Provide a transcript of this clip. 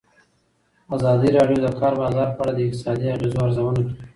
ازادي راډیو د د کار بازار په اړه د اقتصادي اغېزو ارزونه کړې.